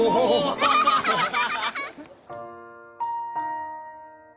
アハハハ。